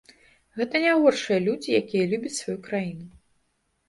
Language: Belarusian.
Гэта не горшыя людзі, якія любяць сваю краіну.